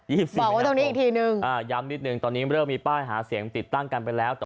๒๔มีนาคมย้ำนิดหนึ่งตอนนี้เริ่มมีป้ายหาเสียงติดตั้งกันไปแล้ว